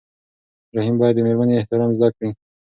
رحیم باید د مېرمنې احترام زده کړي.